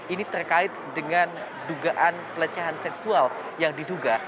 ini terkait dengan dugaan pelecehan seksual yang diduga